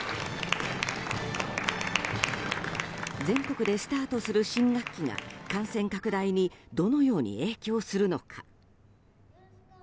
全国でスタートする新学期が感染拡大にどのように影響するのか。